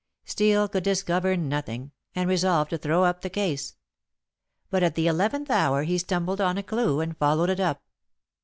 Steel could discover nothing, and resolved to throw up the case. But at the eleventh hour he stumbled on a clue, and followed it up.